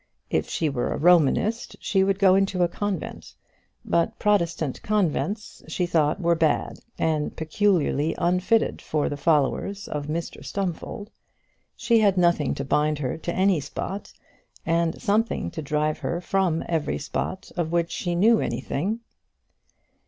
If she were a Romanist, she would go into a convent; but Protestant convents she thought were bad, and peculiarly unfitted for the followers of Mr Stumfold. She had nothing to bind her to any spot, and something to drive her from every spot of which she knew anything.